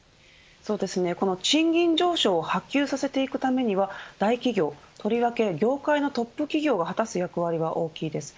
この賃金上昇を波及させていくためには大企業、とりわけ業界のトップ企業が果たす役割は大きいです。